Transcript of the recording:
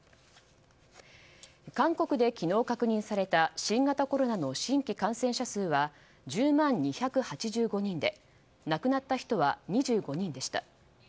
韓国で昨日確認された新型コロナの新規感染者数は１０万２８５人で亡くなった人は２５人でした。